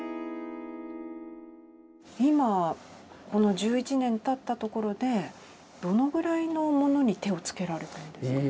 今この１１年たったところでどのぐらいのものに手をつけられたんですか？